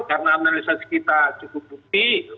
karena analisasi kita cukup bukti